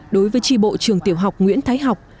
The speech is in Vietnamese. đối với tri bộ trường tiểu học nguyễn thái học